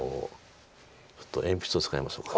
ちょっと鉛筆を使いましょうか。